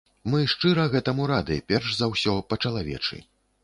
Мы шчыра гэтаму рады, перш за ўсё, па-чалавечы.